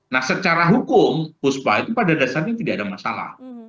nah secara hukum puspa itu pada dasarnya tidak ada masalah